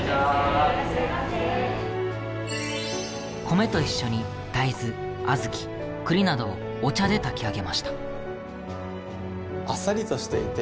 米と一緒に大豆小豆栗などをお茶で炊き上げました。